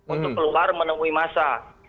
untuk keluar menemui massa